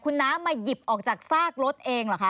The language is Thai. คุณน้ามาหยิบออกจากซากรถเองเหรอคะ